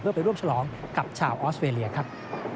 เพื่อไปร่วมฉลองกับชาวออสเวรียครับ